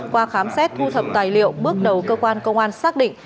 qua khám xét thu thập tài liệu bước đầu cơ quan công an xác định